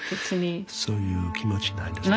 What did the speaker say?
そういう気持ちないですね。